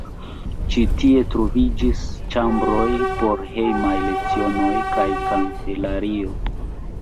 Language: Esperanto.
Ĉi tie troviĝis ĉambroj por hejmaj lecionoj kaj kancelario.